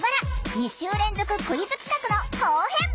２週連続クイズ企画の後編！